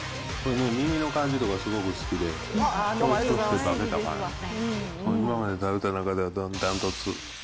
耳の感じとか、すごく好きで、トーストして化けたパン、今まで食べた中では断トツ。